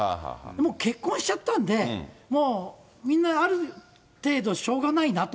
もう結婚しちゃったので、もうみんな、ある程度しょうがないなと。